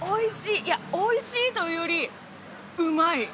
いやおいしいというよりうまい！